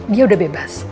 dia udah bebas